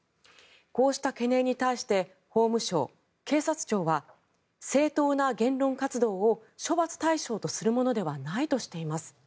こうした懸念に対して法務省・警察庁は正当な言論活動を処罰対象とするものではないとしています。